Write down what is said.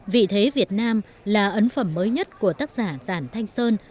vị thế việt nam là ấn phẩm mới nhất của tác giả giản thanh sơn